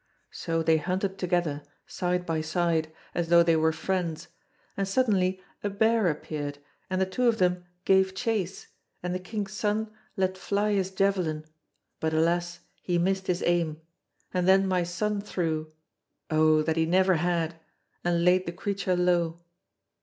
So they hunted together, side by side, as though they were friends, and suddenly a bear appeared, and the two of them gave chase, and the king's son let fly his javelin, but alas! he missed his aim, and then my son threw oh, that he never had! and laid the creature low.